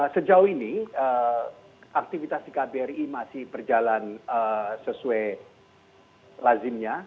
sejauh ini aktivitas di kbri masih berjalan sesuai lazimnya